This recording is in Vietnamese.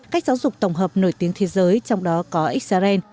cách giáo dục tổng hợp nổi tiếng thế giới trong đó có israel